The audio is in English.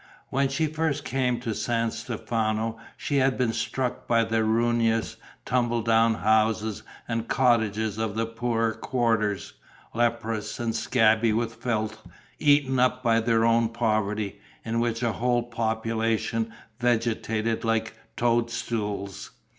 When she first came to San Stefano she had been struck by the ruinous, tumbledown houses and cottages of the poorer quarters, leprous and scabby with filth, eaten up by their own poverty, in which a whole population vegetated like toadstools.